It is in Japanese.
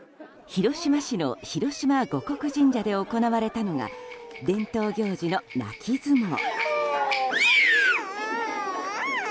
広島市の広島護国神社で行われたのが伝統行事の泣き相撲。